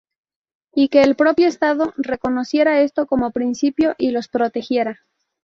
Y que el propio Estado reconociera esto como principio y los protegiera.